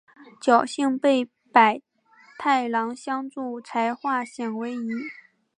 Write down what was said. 侥幸被百太郎相助才化险为夷。